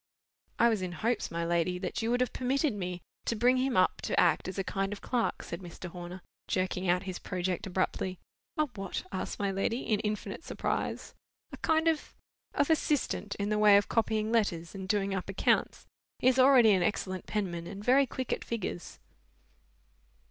"I was in hopes, my lady, that you would have permitted me to bring him up to act as a kind of clerk," said Mr. Horner, jerking out his project abruptly. "A what?" asked my lady, in infinite surprise. "A kind of—of assistant, in the way of copying letters and doing up accounts. He is already an excellent penman and very quick at figures."